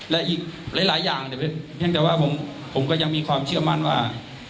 และอีกหลายอย่างเพียงแต่ว่าผมก็ยังมีความเชื่อมั่นว่า